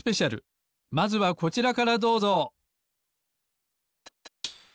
きょうはまずはこちらからどうぞ！